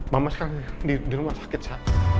mama sekarang di rumah sakit saya